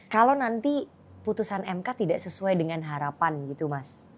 kalau nanti putusan mk tidak sesuai dengan harapan gitu mas